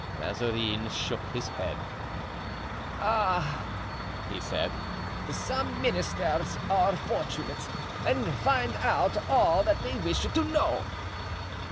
Mazarin shook his head. "Ah!" he said; "some ministers are fortunate and find out all that they wish to know."